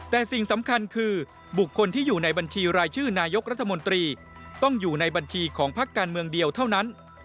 แต่สิ่งสำคัญคือบุคคลที่อยู่ในบัญชีรายชื่อนายกรัฐมนตรีต้องอยู่ในบัญชีของพักการเมืองเดียวเท่านั้น